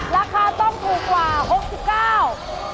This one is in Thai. ราคาต้องถูกกว่า๖๙บาท